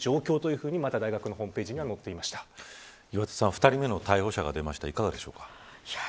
２人目の逮捕者が出ましたがいかがですか。